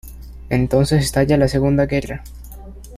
Entonces estalla la segunda guerra.